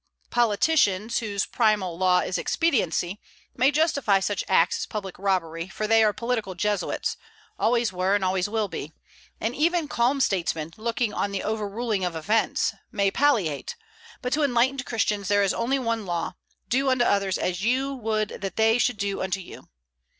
Politicians, whose primal law is expediency, may justify such acts as public robbery, for they are political Jesuits, always were, always will be; and even calm statesmen, looking on the overruling of events, may palliate; but to enlightened Christians there is only one law, "Do unto others as ye would that they should do unto you."